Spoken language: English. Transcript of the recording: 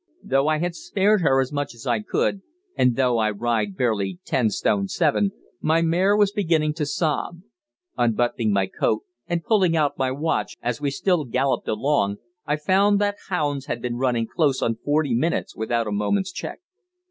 Though I had spared her as much as I could, and though I ride barely ten stone seven, my mare was beginning to sob. Unbuttoning my coat and pulling out my watch as we still galloped along, I found that hounds had been running close on forty minutes without a moment's check.